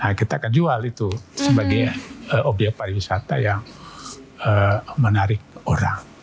nah kita akan jual itu sebagai obyek pariwisata yang menarik orang